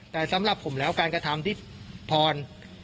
แต่สำหรับผมแล้วการกระทำที่พร